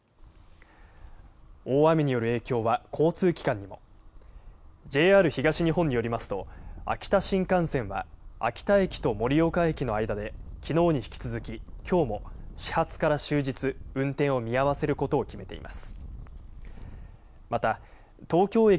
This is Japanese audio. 大雨による影響は交通機関にもＪＲ東日本によりますと秋田新幹線は秋田駅と盛岡駅の間できのうに引き続ききょうも始発から終日運転を見合わせることを決めています。